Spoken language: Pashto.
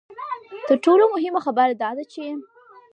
تر ټولو مهمه خبره دا ده چې.